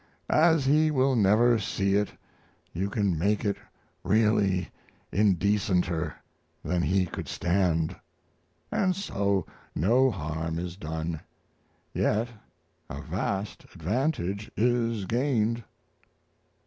As he will never see it you can make it really indecenter than he could stand; & so no harm is done, yet a vast advantage is gained.